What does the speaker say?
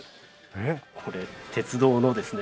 これ鉄道のですね